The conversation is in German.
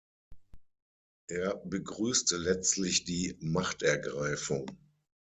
Er begrüßte letztlich die „Machtergreifung“.